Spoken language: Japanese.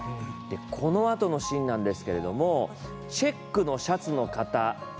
このあとのシーンなんですけどチェックのシャツの方